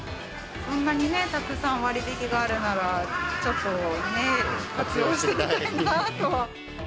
そんなにたくさん割引があるならちょっと、活用してみたいなと。